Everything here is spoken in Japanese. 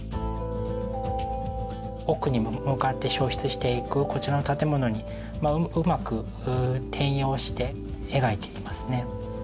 奥に向かって消失していくこちらの建物にうまく転用して描いていますね。